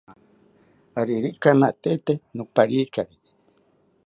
Aririka natete nopariekari